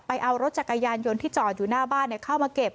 เอารถจักรยานยนต์ที่จอดอยู่หน้าบ้านเข้ามาเก็บ